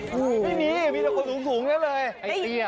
ไม่มีมีคนสูงแล้วเลย